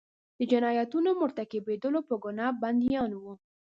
د جنایتونو مرتکبیدلو په ګناه بندیان وو.